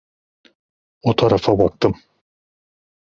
O tarafa baktım.